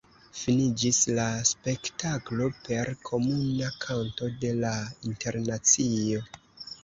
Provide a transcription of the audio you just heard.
Finiĝis la spektaklo per komuna kanto de "la Internacio".